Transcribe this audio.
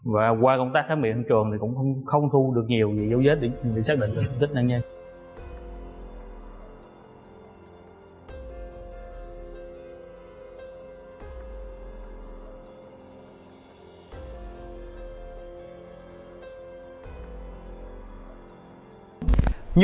và qua công tác khám miệng trường thì cũng không thu được nhiều gì dấu vết để xác định được tung tích nạn nhân